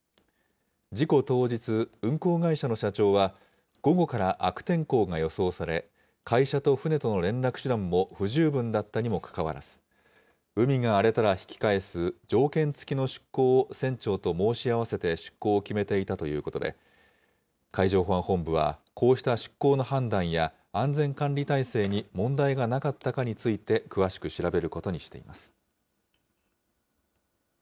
事故当日、運航会社の社長は、午後から悪天候が予想され、会社と船との連絡手段も不十分だったにもかかわらず、海が荒れたら引き返す、条件付きの出航を船長と申し合わせて出航を決めていたということで、海上保安本部は、こうした出航の判断や安全管理体制に問題がなかったかについて詳しく調べることにしています。